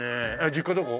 実家どこ？